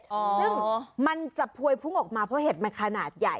ซึ่งมันจะพวยพุ่งออกมาเพราะเห็ดมันขนาดใหญ่